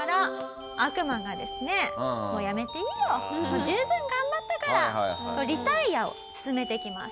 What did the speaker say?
「もう十分頑張ったから」とリタイアを勧めてきます。